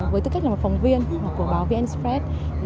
với tư cách là một phóng viên của báo vn spread